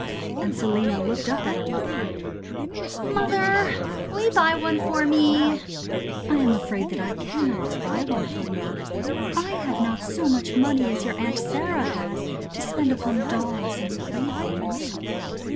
And Selina looked up at her mother. 'Mother, will you buy one for me?' 'I am afraid that I cannot buy one for you. I have not so much money as your Aunt Sarah has to spend upon dolls and playthings.